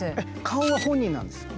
顔は本人なんです。